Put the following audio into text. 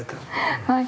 はい。